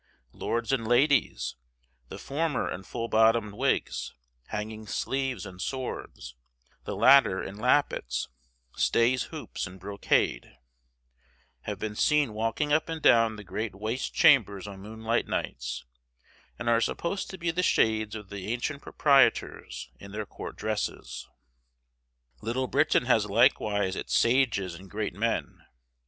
Lords and ladies, the former in full bottomed wigs, hanging sleeves, and swords, the latter in lappets, stays, hoops, and brocade, have been seen walking up and down the great waste chambers on moonlight nights, and are supposed to be the shades of the ancient proprietors in their court dresses. Little Britain has likewise its sages and great men.